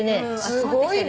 すごいね。